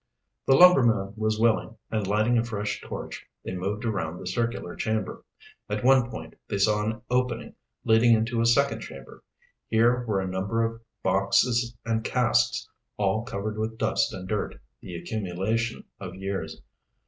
The lumberman was willing, and lighting a fresh torch, they moved around the circular chamber. At one point they saw an opening leading into a second chamber. Here were a number of boxes and casks, all covered with dust and dirt, the accumulation of years.